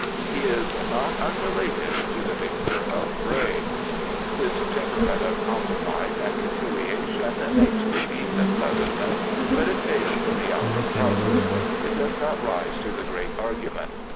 He is not unrelated to the Vicar of Bray. This temperament of compromise and conciliation makes for peace and pleasantness, but it fails in the hour of crisis. It does not rise to the great argument.